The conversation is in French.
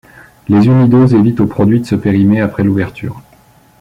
Les unidoses évitent au produit de se périmer après l'ouverture.